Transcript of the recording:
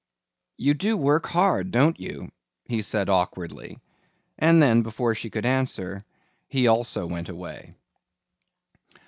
"You do work hard, don't you?" he said awkwardly, and then before she could answer he also went away.